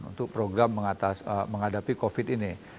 untuk program menghadapi covid ini